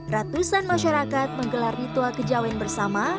ratusan masyarakat menggelar ritual kejawen bersama